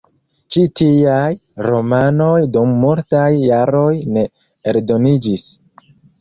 Ĉi tiaj romanoj dum multaj jaroj ne eldoniĝis.